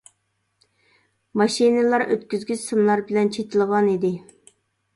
ماشىنىلار ئۆتكۈزگۈچ سىملار بىلەن چېتىلغان ئىدى.